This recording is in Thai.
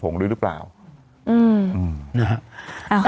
เป็นเคนมผงหรือกันเปล่า